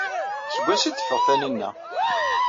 Seg wansi ay d-teffeɣ Taninna?